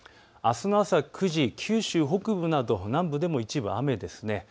あすの朝９時、九州北部でも一部雨ですね。